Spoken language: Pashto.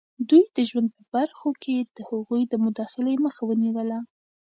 دوی د ژوند په برخو کې د هغوی د مداخلې مخه ونیوله.